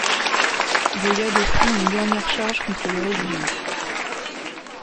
Goya dessine une dernière charge contre les religieux.